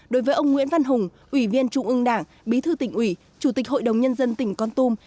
đối với ông nguyễn văn hùng ủy viên trung ương đảng bí thư tỉnh ủy chủ tịch hội đồng nhân dân tỉnh con tum